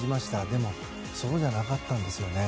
でも、そうではなかったんですよね。